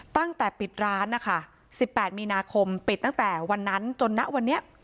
ตั้งแต่ปิดร้านนะคะ๑๘มีนาคมปิดตั้งแต่วันนั้นจนนะวันนี้